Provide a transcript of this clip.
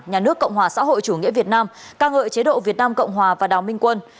nhà nước cộng hòa xã hội chủ nghĩa việt nam ca ngợi chế độ việt nam cộng hòa và đào minh quân